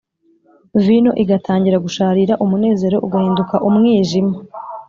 . Vino igatangira gusharira, umunezero ugahinduka umwijima